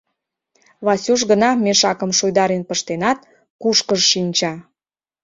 Васюш гына мешакым шуйдарен пыштенат, кушкыж шинча.